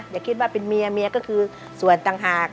อย่าคิดว่าเป็นเมียเมียก็คือส่วนต่างหาก